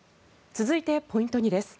続いて、ポイント２です。